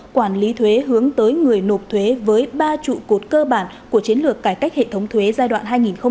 quản lý thuế hướng tới người nộp thuế với ba trụ cột cơ bản của chiến lược cải cách hệ thống thuế giai đoạn hai nghìn một mươi sáu hai nghìn hai mươi